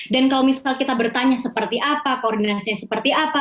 dan kalau misal kita bertanya seperti apa koordinasinya seperti apa